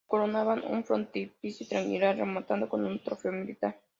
Lo coronaba un frontispicio triangular rematado con un trofeo militar.